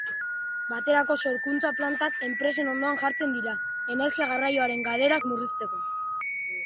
Baterako sorkuntza-plantak, enpresen ondoan jartzen dira, energia garraioaren galerak murrizteko.